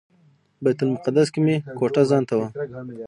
بیت المقدس کې مې کوټه ځانته وه.